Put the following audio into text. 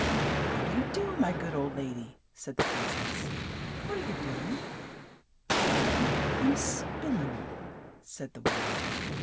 "How do you do, my good old la dy?" said the prin=cess. "What are you do ing ?'' "I am spin ning," said the wom an.